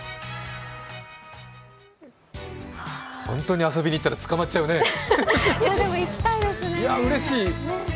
本当に遊びに行ったら捕まっちゃうね。